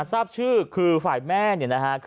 ทราบชื่อคือฝ่ายแม่เนี่ยนะฮะ